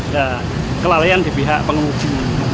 nah kelalaian di pihak pengemudi